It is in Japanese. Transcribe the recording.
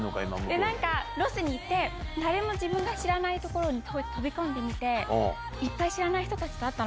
なんか、ロスにいて、誰も自分が知らない所に飛び込んでみて、いっぱい知らない人たちと会ったの。